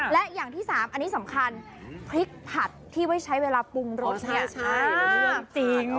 และอย่างที่สามอันนี้สำคัญพริกผัดที่ไม่ใช้เวลาปรุงเลยเนี่ย